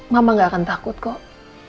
mama gak akan takut kok